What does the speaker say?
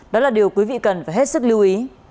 đó là điều quý vị cần phải hết sức lưu ý